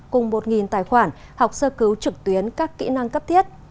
cùng một tài khoản học sơ cứu trực tuyến các kỹ năng cấp thiết